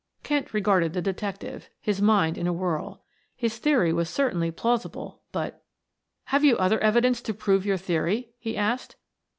Kent regarded the detective, his mind in a whirl. His theory was certainly plausible, but "Have you other evidence to prove, your theory?" he asked.